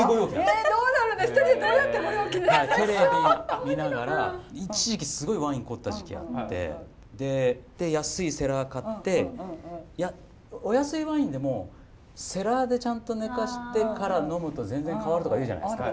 テレビ見ながら一時期すごいワイン凝った時期あってで安いセラー買ってお安いワインでもセラーでちゃんと寝かしてから呑むと全然変わるとか言うじゃないですか。